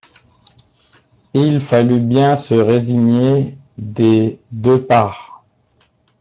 Il fallut bien se résigner des deux parts.